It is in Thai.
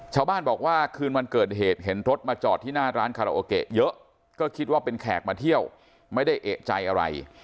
ชาวบ้านบอกว่าคืนวันเกิดเหตุเห็นรถมาจอดที่หน้าร้านคาราโอเกะเยอะก็คิดว่าเป็นแขกมาเที่ยวไม่ได้เอกใจอะไร